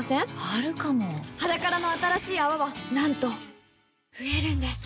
あるかも「ｈａｄａｋａｒａ」の新しい泡はなんと増えるんです